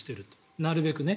なるべくね。